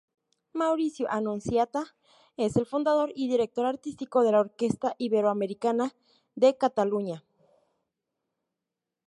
Mauricio Annunziata es el fundador y director artístico de la Orquesta Iberoamericana de Cataluña.